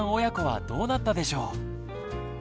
親子はどうなったでしょう。